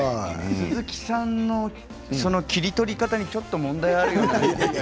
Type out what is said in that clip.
鈴木さんの切り取り方にちょっと問題があるような。